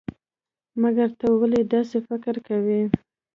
مګر ته ولې داسې فکر کوئ؟